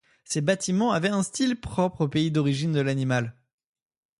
Ces bâtiments avaient un style propre au pays d'origine de l'animal.